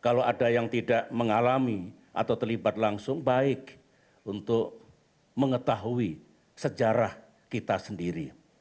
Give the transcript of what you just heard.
kalau ada yang tidak mengalami atau terlibat langsung baik untuk mengetahui sejarah kita sendiri